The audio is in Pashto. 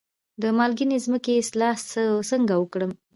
د مالګینې ځمکې اصلاح څنګه وکړم؟